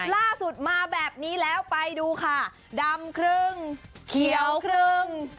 ล่าสุดมาแบบนี้แล้วไปดูค่ะดำครึ่งเขียวครึ่ง